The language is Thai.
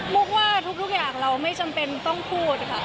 กว่าทุกอย่างเราไม่จำเป็นต้องพูดค่ะ